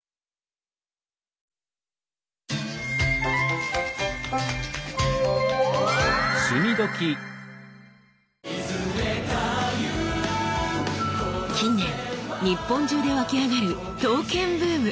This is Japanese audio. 近年日本中でわきあがる刀剣ブーム。